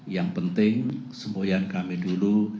yang penting semboyan kami dulu